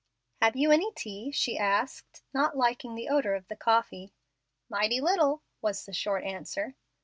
"Have you any tea?" she asked, not liking the odor of the coffee. "Mighty little," was the short answer.